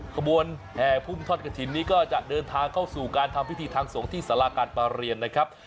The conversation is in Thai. ขบวนแห่พุ่มทอดกระถิ่นนี้ก็จะเดินทางเข้าสู่การทำพิธีทางสงฆ์ที่สาราการประเรียนนะครับ